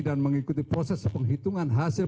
dan mengikuti proses penghitungan hasil